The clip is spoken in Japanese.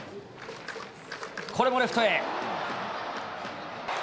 これもレフトへ。